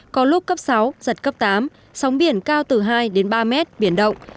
có lúc cấp sáu giật cấp tám sóng biển cao từ hai đến ba mét biển động